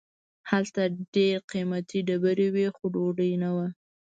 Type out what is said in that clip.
هلته ډیر قیمتي ډبرې وې خو ډوډۍ نه وه.